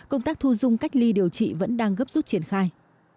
công tác thu dung cách ly điều trị vẫn đang gấp rút triển khai